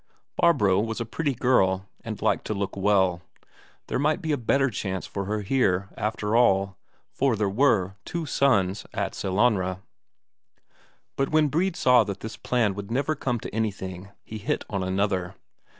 Barbro was a pretty girl, and liked to look well; there might be a better chance for her here, after all. For there were two sons at Sellanraa. But when Brede saw that this plan would never come to anything, he hit on another.